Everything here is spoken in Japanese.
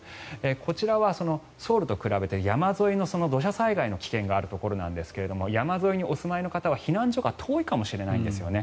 こちらはそのソウルと比べて山沿いの土砂災害の危険があるところですが山沿いにお住まいの方は避難所が遠いかもしれないんですよね。